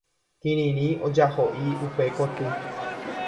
Kirirĩ ojahoʼi upe koty.